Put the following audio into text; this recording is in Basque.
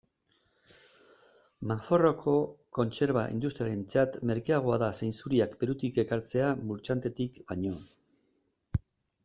Nafarroako kontserba industriarentzat merkeagoa da zainzuriak Perutik ekartzea Murchantetik baino.